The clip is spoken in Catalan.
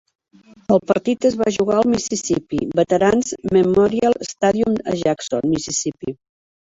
El partit es va jugar al Mississippi Veterans Memorial Stadium a Jackson (Mississipí).